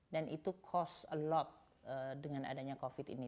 dan itu cost a lot dengan adanya covid ini